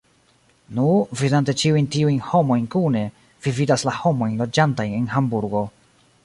Nu, vidante ĉiujn tiujn homojn kune, vi vidas la homojn loĝantajn en Hamburgo.